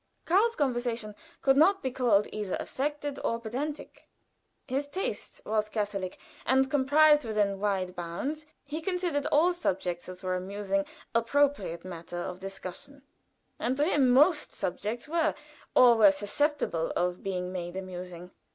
Karl's conversation could not be called either affected or pedantic; his taste was catholic, and comprised within wide bounds; he considered all subjects that were amusing appropriate matter of discussion, and to him most subjects were or were susceptible of being made amusing.